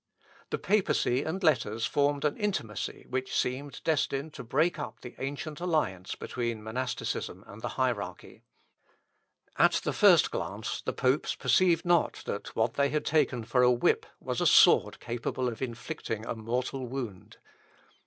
The papacy and letters formed an intimacy which seemed destined to break up the ancient alliance between monasticism and the hierarchy. At the first glance the popes perceived not that what they had taken for a whip was a sword capable of inflicting a mortal wound.